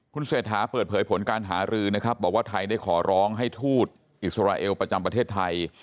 คุณเศรษฐาเปิดเผยผลการหารือนะครับบอกว่าไทยได้ขอร้องให้ทูตอิสราเอลประจำประเทศไทย